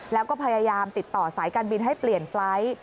แล้วก็พยายามติดต่อสายการบินให้เปลี่ยนไฟล์ท